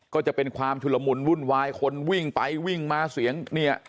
ก็จะเป็นความชุลมุนวุ่นวายคนวิ่งไปวิ่งมาเสียงเนี่ย